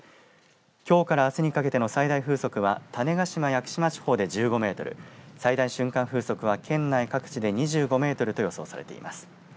きょうからあすにかけての最大風速は種子島・屋久島地方で１５メートル、最大瞬間風速は県内各地で２５メートルと予想されています。